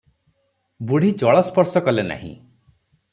ବୁଢ଼ୀ ଜଳସ୍ପର୍ଶ କଲେ ନାହିଁ ।